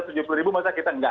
tujuh puluh maksudnya kita tidak